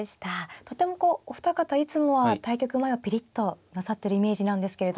とてもこうお二方いつもは対局前はピリッとなさってるイメージなんですけれども。